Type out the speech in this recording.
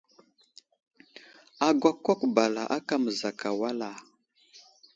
Agakwákw bala aka məzakay wal a ?